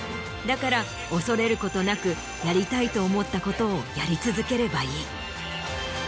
だから恐れることなくやりたいと思ったことをやり続ければいい。